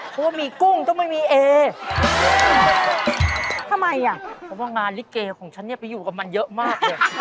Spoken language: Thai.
คำถามถ่ายของข้อที่๓ถามว่า